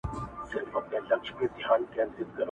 مسافر مه وژنې خاونده.!